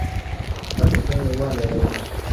خټکی یووالی راولي.